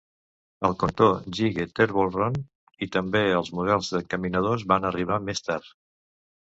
El connector GigE TurboIron, i també els models d'encaminadors van arribar més tard.